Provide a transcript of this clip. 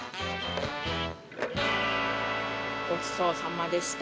ごちそうさまでした。